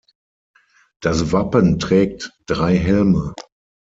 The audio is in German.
Das Wappen trägt drei Helme.